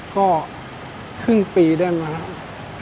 ก็ครึ่งปีได้ไหมครับ